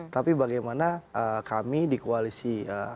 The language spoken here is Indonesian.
tapi bagaimana kami di koalisi